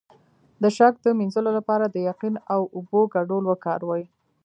د شک د مینځلو لپاره د یقین او اوبو ګډول وکاروئ